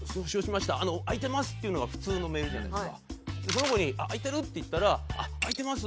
その子に「空いてる？」って言ったら「空いてます！